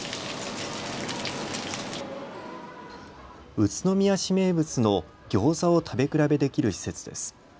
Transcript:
宇都宮市名物のギョーザを食べ比べできる施設です。